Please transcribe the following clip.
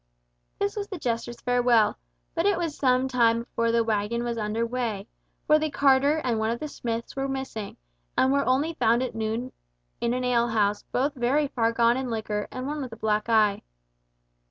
This was the jester's farewell, but it was some time before the waggon was under way, for the carter and one of the smiths were missing, and were only at noon found in an alehouse, both very far gone in liquor, and one with a black eye.